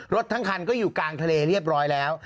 ทั้งคันก็อยู่กลางทะเลเรียบร้อยแล้ว